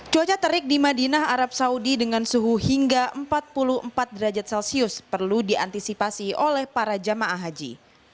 cuaca terik di madinah arab saudi dengan suhu hingga empat puluh empat derajat celcius perlu diantisipasi oleh para jamaah haji